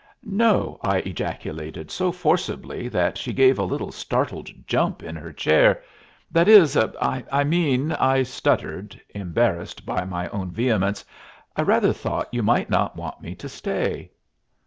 "No!" I ejaculated, so forcibly that she gave a little startled jump in her chair. "That is I mean," I stuttered, embarrassed by my own vehemence, "I rather thought you might not want me to stay."